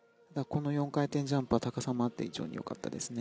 この４回転ジャンプは高さもあって非常によかったですね。